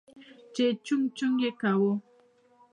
چې چونگ چونگ يې کاوه.